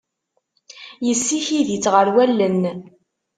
Yessikid-itt ɣer wallen.